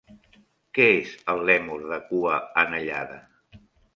Què és el lèmur de cua anellada?